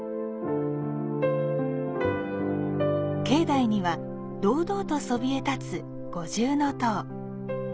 境内には堂々とそびえ立つ五重塔。